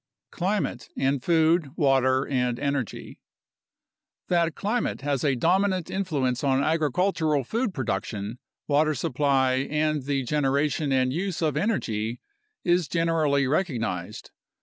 Climate and Food, Water, and Energy That climate has a dominant influence on agricultural food production, water supply, and the generation and use of energy is generally recog nized.